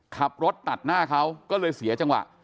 ขับรถตัดหน้าเขาก็เลยเสียจังหวะ